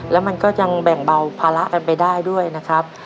แล้วมันก็ยังแบ่งเบาภาระกันไปได้ด้วยนะครับ